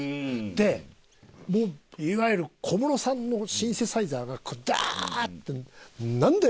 でもういわゆる小室さんのシンセサイザーがダーッと何台も並んでて。